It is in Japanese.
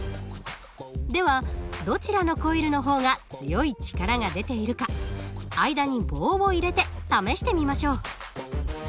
ではどちらのコイルの方が強い力が出ているか間に棒を入れて試してみましょう。